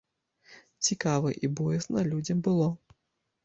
Цікава і боязна людзям было.